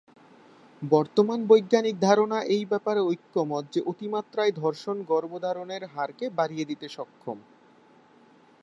বর্তমান বৈজ্ঞানিক ধারণা এই ব্যাপারে ঐকমত্য যে অতিমাত্রায় ধর্ষণ গর্ভধারণের হারকে বাড়িয়ে দিতে সক্ষম।